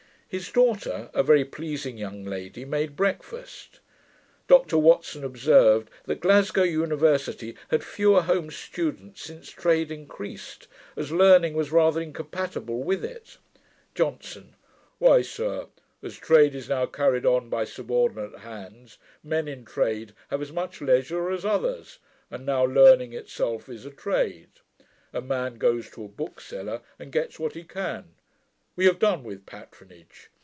His daughter, a very pleasing young lady, made breakfast. Dr Watson observed, that Glasgow University had fewer home students, since trade increased, as learning was rather incompatible with it. JOHNSON. 'Why, sir, as trade is now carried on by subordinate hands, men in trade have as much leisure as others; and now learning itself is a trade. A man goes to a bookseller, and gets what he can. We have done with patronage.